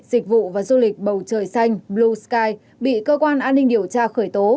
dịch vụ và du lịch bầu trời xanh blue sky bị cơ quan an ninh điều tra khởi tố